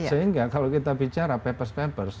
sehingga kalau kita bicara papers papers